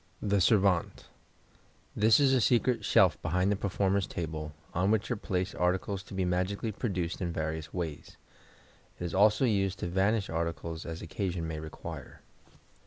The Servante.—This is a secret shelf behind the performer's table, on which are placed articles to be magically produced in various ways. It is also used to vanish articles as occasion may require.